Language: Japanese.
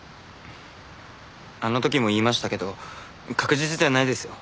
あの時も言いましたけど確実ではないですよ